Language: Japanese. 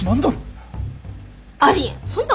ありえん。